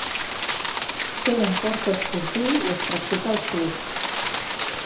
Té un port esportiu i es practica el surf.